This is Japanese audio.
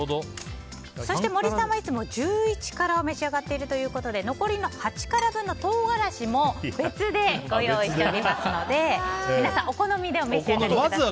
そして、森さんはいつも１１辛を召し上がっているということで残りの８辛分の唐辛子も別でご用意しておりますので皆さん、お好みでお召し上がりください。